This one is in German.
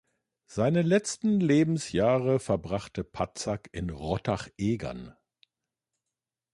Seine letzten Lebensjahre verbrachte Patzak in Rottach-Egern.